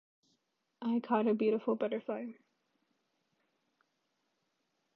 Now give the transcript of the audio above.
I caught a beautiful butterfly.